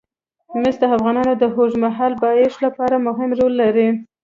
مس د افغانستان د اوږدمهاله پایښت لپاره مهم رول لري.